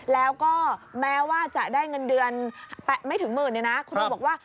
แล้วก็แม้ว่าจะได้เงินเดือนไม่ถึงหมื่นเนี่ยนะครูบอกว่า